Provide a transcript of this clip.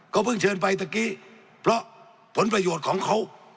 ก็เพิ่งเชินไปตะกี่เพราะผลประโยชน์ของเขา